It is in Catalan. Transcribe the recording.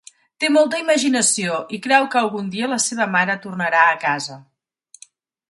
Té molta imaginació i creu que algun dia la seva mare tornarà a casa.